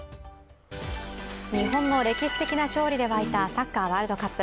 日本の歴史的な勝利で沸いたサッカー・ワールドカップ。